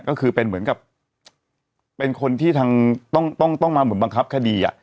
ก็คือเป็นเหมือนกับเป็นคนที่ทางต้องมาเหมือนบังคับคดี